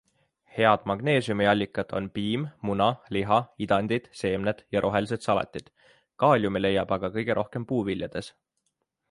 Head magneesiumiallikad on piim, muna, liha, idandid, seemned ja rohelised salatid, kaaliumi leidub aga kõige rohkem puuviljades.